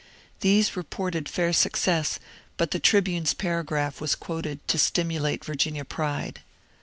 These reported fair success, but the *' Tribune's" paragraph was quoted to stimulate Virginia pride.